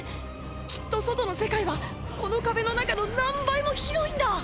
きっと外の世界はこの壁の中の何倍も広いんだ！